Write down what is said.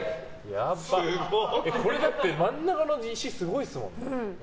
これだって真ん中の石すごいっすもんね。